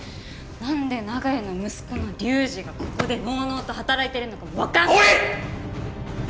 なんで長屋の息子の龍二がここでのうのうと働いてるのかもわかんない！